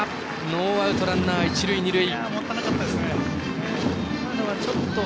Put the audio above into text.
ノーアウト、ランナー、一塁二塁。